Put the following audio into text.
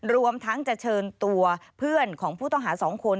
รวมทั้งจะเชิญตัวเพื่อนของผู้ต้องหา๒คน